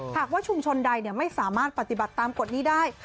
หากว่าชุมชนใดไม่สามารถปฏิบัติตามกฎนี้ได้